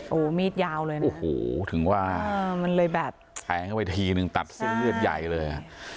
โอ้โหมีดยาวเลยนะถึงว่าแห้งเข้าไปทีนึงตัดเสื้อเลือดใหญ่เลย